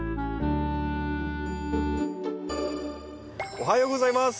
おはようございます。